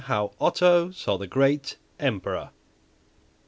How Otto Saw the Great Emperor.